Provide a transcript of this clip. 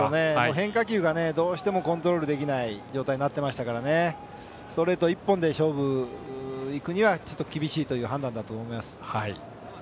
変化球がどうしてもコントロールできない状態になっていましたからストレート一本で勝負にいくにはちょっと厳しいという判断だと思います。